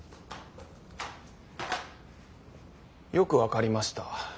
よく分かりました。